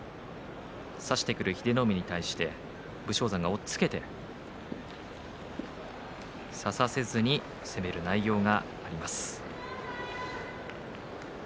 差してくる英乃海に対して武将山が押っつけて差させずに攻めきる内容があります。